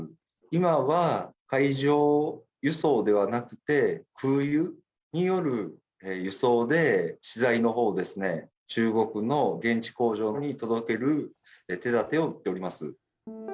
今は海上輸送ではなくて、空輸による輸送で、資材のほうを中国の現地工場に届ける手立てを打っております。